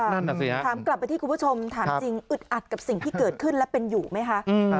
นั่นน่ะสิฮะถามกลับไปที่คุณผู้ชมถามจริงอึดอัดกับสิ่งที่เกิดขึ้นและเป็นอยู่ไหมคะ